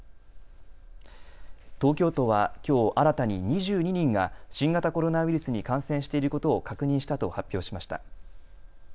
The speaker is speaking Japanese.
東京都はきょう新たに２２人が新型コロナウイルスに感染していることを確認したと発表しました。